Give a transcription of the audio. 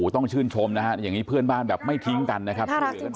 ต้องชื่นชมนะฮะอย่างนี้เพื่อนบ้านแบบไม่ทิ้งกันนะครับ